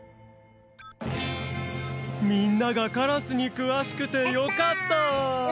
みんながカラスにくわしくてよかった！